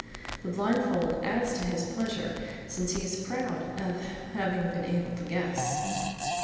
The blindfold adds to his pleasure, since he is proud of having been able to guess.